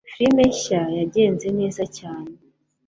Filime nshya yagenze neza cyane